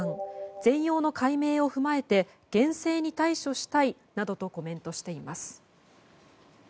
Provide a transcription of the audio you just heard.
全容の解明を踏まえて厳正に対処したいなどとコメントしています。